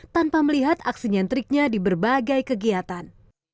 tanpa melihat aksi nyentriknya di berbagai kegiatan